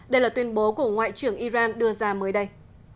đây là tuyên bố của ngoại trưởng iran đưa ra mới đây